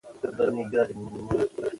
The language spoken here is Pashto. واوره د افغانستان د ښاري پراختیا سبب کېږي.